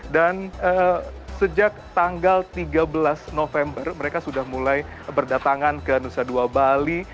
dan sejak tanggal tiga belas november mereka sudah mulai berdatangan ke nusa dua bali